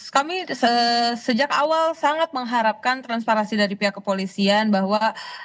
kami sejak awal sangat mengharapkan transparansi dari pihak kepolisian bahwa